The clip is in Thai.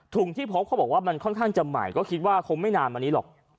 ที่พบเขาบอกว่ามันค่อนข้างจะใหม่ก็คิดว่าคงไม่นานมานี้หรอก